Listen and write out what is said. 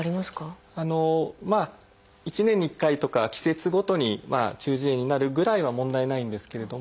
まあ１年に１回とか季節ごとに中耳炎になるぐらいは問題ないんですけれども。